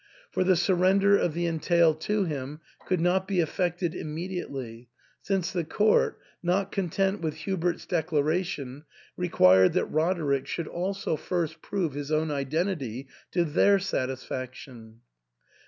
For the surrender of the entail to him could not be effected immediately, since the court, not content with Hubert's declaration, re quired that Roderick should also first prove his own identity to their satisfaction.